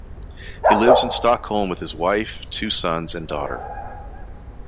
He lives in Stockholm with his wife, two sons and daughter.